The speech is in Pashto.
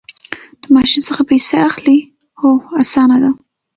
د ماشین څخه پیسې اخلئ؟ هو، اسانه ده